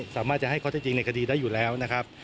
สามารถจะให้ข้อเท็จจริงในคดีได้อยู่แล้วนะครับ